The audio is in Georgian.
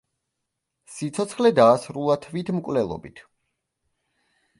სიცოცხლე დაასრულა თვითმკვლელობით.